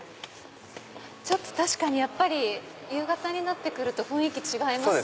確かにやっぱり夕方になると雰囲気違いますね。